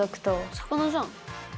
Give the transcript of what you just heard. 魚じゃん。